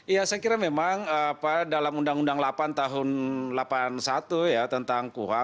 ya saya kira memang dalam undang undang delapan tahun seribu sembilan ratus delapan puluh satu ya tentang kuha